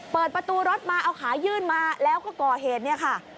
เปิดประตูรถมาเอาขายื่นมาแล้วก็ก่อเหตุเนี่ยค่ะ